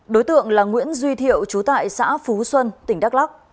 đối tượng là nguyễn duy thiệu chú tại xã phú xuân tỉnh đắk lắk